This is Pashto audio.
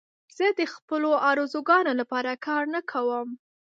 زه د خپلو آرزوګانو لپاره کار نه کوم.